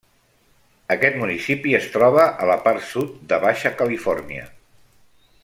Aquest municipi es troba a la part sud de Baixa Califòrnia.